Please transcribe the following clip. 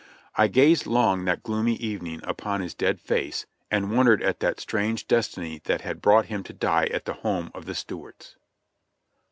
I gazed long that gloomy evening upon his dead face, and wondered at the strange destiny that had brought him to die at the home of the Stuarts.